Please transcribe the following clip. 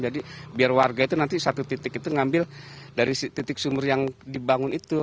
jadi biar warga itu nanti satu titik itu ngambil dari titik sumur yang dibangun itu